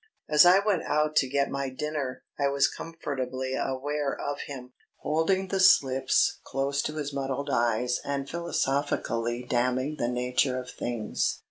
As I went out to get my dinner I was comfortably aware of him, holding the slips close to his muddled eyes and philosophically damning the nature of things.